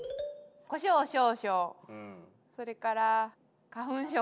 こしょう少々それから花粉症。